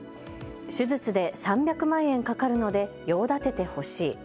手術で３００万円かかるので用立ててほしい。